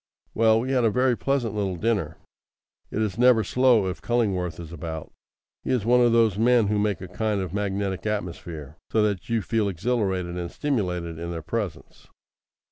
Well, we had a very pleasant little dinner. It is never slow if Cullingworth is about. He is one of those men who make a kind of magnetic atmosphere, so that you feel exhilarated and stimulated in their presence.